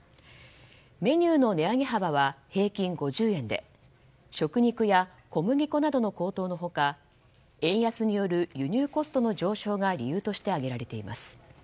メニューの値上げ幅は平均５０円で食肉や小麦粉などの高騰の他円安による輸入コストの上昇が理由として挙げられています。